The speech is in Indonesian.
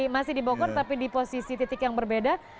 masih di bogor tapi di posisi titik yang berbeda